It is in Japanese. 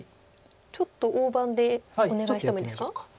ちょっと大盤でお願いしてもいいですか。